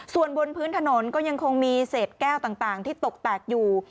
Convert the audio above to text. ส่วนบนพื้นถนนก็ยังคงมีเศษแก้วต่างที่ตกแตกอยู่